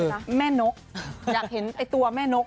คือแม่นกอยากเห็นตัวแม่นก